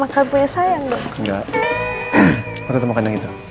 kau tetap makan yang itu